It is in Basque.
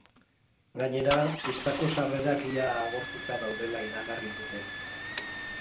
Gainera, pistako sarrerak ia agortuta daudela iragarri dute.